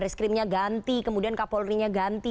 reskrimnya ganti kemudian kapolrinya ganti